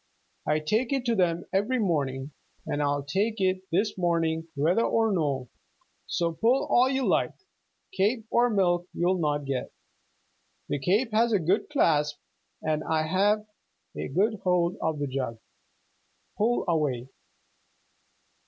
I take it to them every morning and I'll take it this morning whether or no, so pull all you like cape or milk you'll not get. The cape has a good clasp, and I've a good hold of the jug. Pull away!"